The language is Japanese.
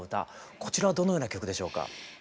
こちらはどのような曲でしょうか？